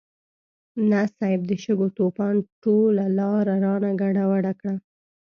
نه صيب، د شګو طوفان ټوله لاره رانه ګډوډه کړه.